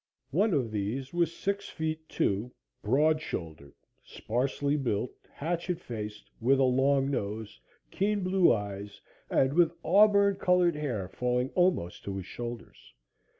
One of these was six feet two, broad shouldered, sparsely built, hatchet faced, with a long nose, keen blue eyes and with auburn colored hair falling almost to his shoulders.